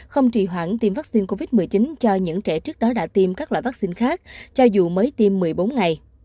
không trì hoãn tiêm vaccine covid một mươi chín cho những trẻ trước đó đã tiêm các loại vaccine khác cho dù mới tiêm một mươi bốn ngày